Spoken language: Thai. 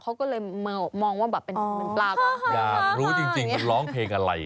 เขาก็เลยมองว่าปลาแบบว่าฮ่ารู้จริงมันร้องเพลงอะไร